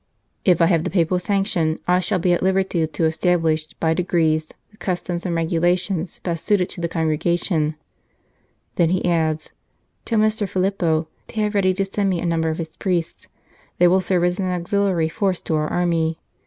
If I have the Papal sanction, I shall be at liberty to establish by degrees the customs and regulations best suited to the congregation." Then he adds: "Tell Messer Filippo to have ready to send me a number of his priests ; they will serve as an auxiliary force to our army.